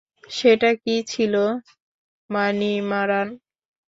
সেটা কী ছিল, মানিমারান?